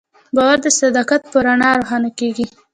باور د صداقت په رڼا روښانه کېږي.